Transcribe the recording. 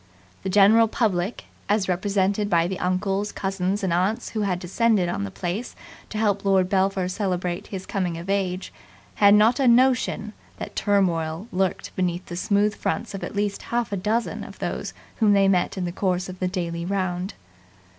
The general public, as represented by the uncles, cousins, and aunts who had descended on the place to help Lord Belpher celebrate his coming of age, had not a notion that turmoil lurked behind the smooth fronts of at least half a dozen of those whom they met in the course of the daily round.